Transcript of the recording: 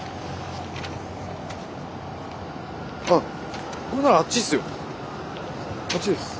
あっこれならあっちっすよ。